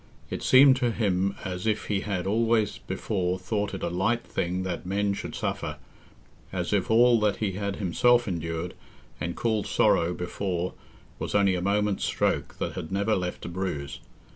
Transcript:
It seemed to him as if he had always before thought it a light thing that men should suffer, as if all that he had himself endured and called sorrow before was only a moment's stroke that had never left a bruise.